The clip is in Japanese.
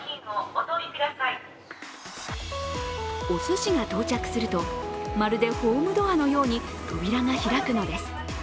おすしが到着すると、まるでホームドアのように扉が開くのです。